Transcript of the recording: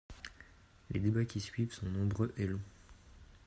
Les débats qui suivent sont nombreux et longs.